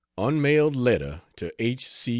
Unmailed Letter to H. C.